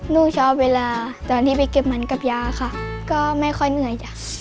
ลูกชอบเวลาตอนที่ไปเก็บมันกับยาค่ะก็ไม่ค่อยเหนื่อยจ้ะ